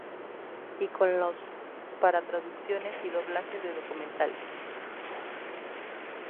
Y con los para traducciones y doblajes de documentales.